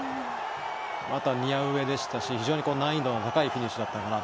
またニア上でしたし非常に難易度の高いフィニッシュ